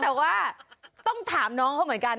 แต่ว่าต้องถามน้องเขาเหมือนกัน